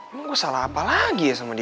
emang gue salah apa lagi ya sama dia